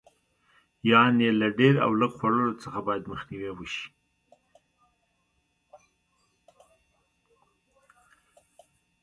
یعنې له ډېر او لږ خوړلو څخه باید مخنیوی وشي.